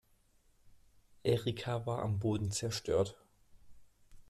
Erika war am Boden zerstört.